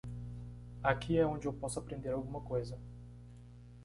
Aqui é onde eu posso aprender alguma coisa.